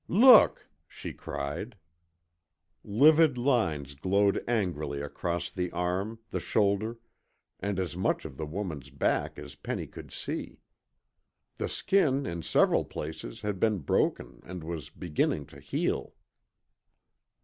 "Look!" she cried. Livid lines glowed angrily across the arm, the shoulder, and as much of the woman's back as Penny could see. The skin in several places had been broken and was beginning to heal.